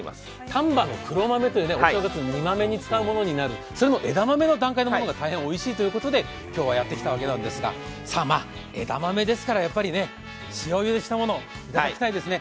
丹波の黒豆というお正月の煮豆なんかに使うそれの枝豆の段階のものも大変おいしいということで今日はやってきたわけですが枝豆ですから、やっぱり塩ゆでしたものをいただきたいですね。